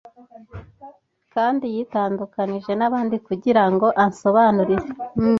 Kandi yitandukanije n'abandi kugira ngo ansobanurire